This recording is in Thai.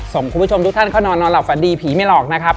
คุณผู้ชมทุกท่านเข้านอนนอนหลับฝันดีผีไม่หลอกนะครับ